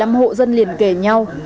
đến một mươi năm hộ dân liên kẻ nhau